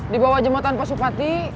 di bawah jembatan pasopati